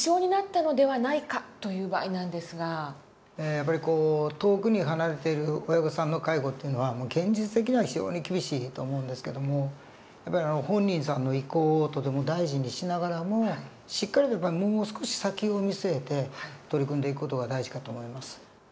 やっぱり遠くに離れている親御さんの介護っていうのは現実的には非常に厳しいと思うんですけどもやっぱり本人さんの意向をとても大事にしながらもしっかりともう少し先を見据えて取り組んでいく事が大事かと思います。